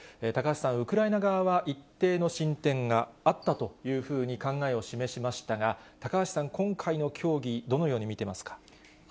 高橋さん、ウクライナ側は一定の進展があったというふうに考えを示しましたが、高橋さん、今回の協議、どのように見てますか。